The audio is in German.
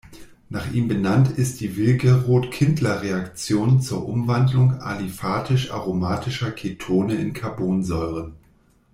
Nach ihm benannt ist die Willgerodt-Kindler-Reaktion zur Umwandlung aliphatisch-aromatischer Ketone in Carbonsäuren.